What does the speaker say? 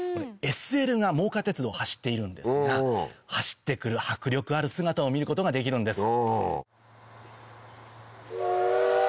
ＳＬが真岡鐵道を走っているんですが走って来る迫力ある姿を見ることができるんです。